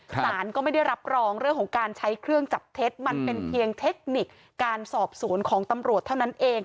สารก็ไม่ได้รับรองเรื่องของการใช้เครื่องจับเท็จมันเป็นเพียงเทคนิคการสอบสวนของตำรวจเท่านั้นเอง